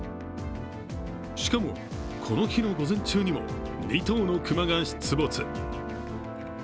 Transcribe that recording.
しかも、この日の午前中にも２頭の熊が出没。